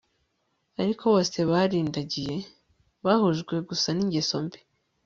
ariko bose bararindagiye, bahujwe gusa n'ingeso mbi